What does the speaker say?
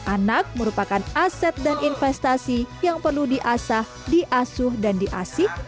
anak merupakan aset dan investasi yang perlu diasah diasuh dan diasih